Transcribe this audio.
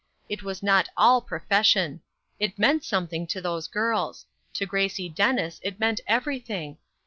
It was not all profession. It meant something to those girls; to Grace Dennis it meant everything.